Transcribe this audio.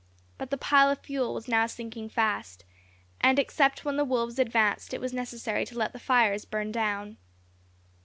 But the pile of fuel was now sinking fast, and except when the wolves advanced it was necessary to let the fires burn down.